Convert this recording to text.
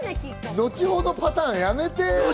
後ほどパターンやめて。